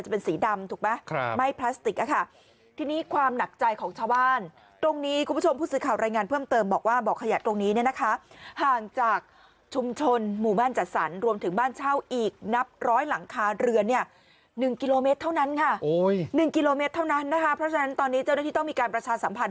เพราะฉะนั้นตอนนี้เจ้าหน้าที่ต้องมีการประชาสัมพันธ์